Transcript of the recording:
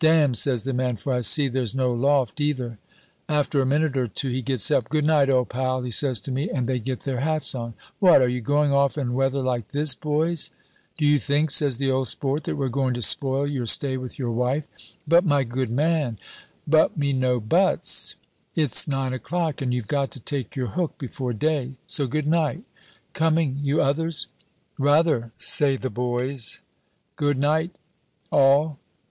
"'Damn,' says the man, 'for I see there's no loft, either.' "After a minute or two he gets up: 'Good night, old pal,' he says to me, and they get their hats on. "'What, are you going off in weather like this, boys?' "'Do you think,' says the old sport, 'that we're going to spoil your stay with your wife?' "'But, my good man ' "'But me no buts. It's nine o'clock, and you've got to take your hook before day. So good night. Coming, you others?' "'Rather,' say the boys. 'Good night all.'